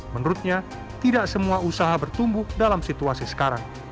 menurutnya tidak semua usaha bertumbuh dalam situasi sekarang